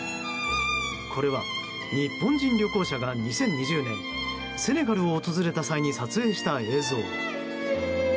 これは日本人旅行者が２０２０年セネガルを訪れた際に撮影した映像。